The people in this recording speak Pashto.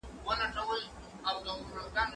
زه واښه نه راوړم